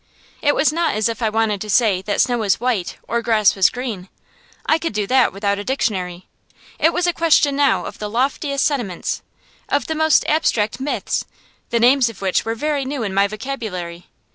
It was not as if I wanted to say that snow was white or grass was green. I could do that without a dictionary. It was a question now of the loftiest sentiments, of the most abstract truths, the names of which were very new in my vocabulary.